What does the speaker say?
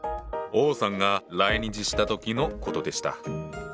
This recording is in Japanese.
王さんが来日した時の事でした。